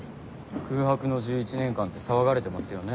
空白の１１年間って騒がれてますよね？